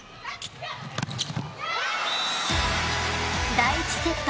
第１セット